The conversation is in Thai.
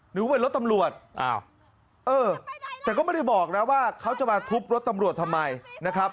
หรือไว้รถตำรวจเอ้อแต่ก็ไม่ได้บอกแล้วว่าเขาจะมาทุบรถตำรวจทำไมนะครับ